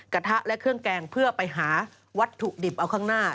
กระทะและเครื่องแกงเพื่อไปหาวัตถุดิบเอาข้างหน้า